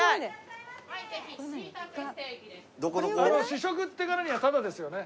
試食って言うからにはタダですよね？